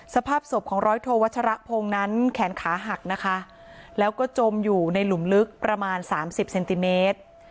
สภาพศพของร้อยโทวัชระพงศ์นั้นแขนขาหักนะคะแล้วก็จมอยู่ในหลุมลึกประมาณสามสิบเซนติเมตร